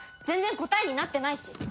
全然答えになってないし。